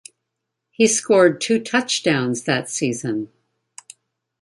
He scored two touchdowns that season.